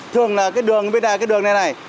thường là cái đường bên này cái đường này này